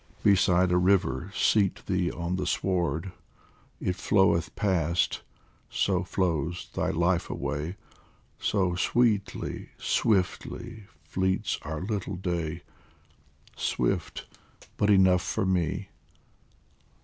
Beside a river seat thee on the sward ; It floweth past so flows thy life away, So sweetly, swiftly, fleets our little day Swift, but enough for me